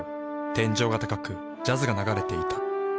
天井が高くジャズが流れていた。